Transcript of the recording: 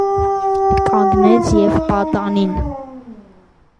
Կանգնեց և պատանին: